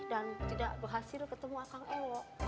dan tidak berhasil ketemu akang ewok